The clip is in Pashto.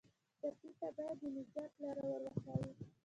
ټپي ته باید د نجات لاره ور وښیو.